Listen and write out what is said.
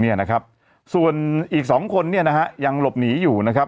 เนี่ยนะครับส่วนอีกสองคนเนี่ยนะฮะยังหลบหนีอยู่นะครับ